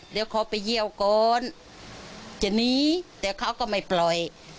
เดี๋ยวเขาไปเยี่ยวก่อนจะหนีแต่เขาก็ไม่ปล่อย